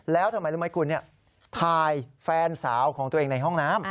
แล้วทำไมรู้ไหมคุณถ่ายแฟนสาวของตัวเองในห้องน้ำ